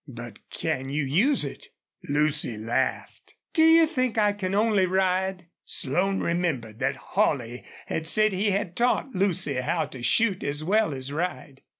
"But can you use it?" Lucy laughed. "Do you think I can only ride?" Slone remembered that Holley had said he had taught Lucy how to shoot as well as ride.